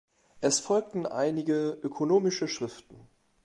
Es folgten einige ökonomische Schriften.